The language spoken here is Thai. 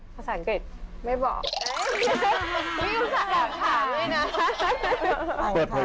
ภาษาอังกฤษ